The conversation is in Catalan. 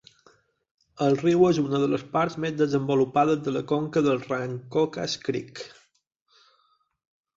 El riu és una de les parts més desenvolupades de la conca del Rancocas Creek.